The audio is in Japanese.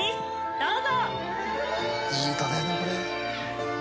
どうぞ。